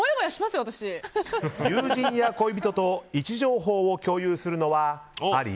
友人や恋人と位置情報を共有するのはあり？